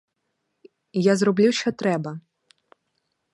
Я зроблю, що треба.